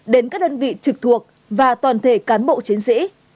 đến các đơn vị trực thuộc và toàn thể cán bộ chiến sĩ